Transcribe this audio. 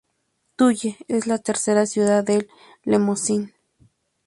Tulle es la tercera ciudad del Lemosín.